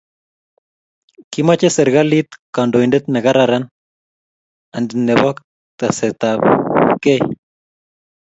Kimoche serkalit kandoindet ne kararan and nebo tesetait abkei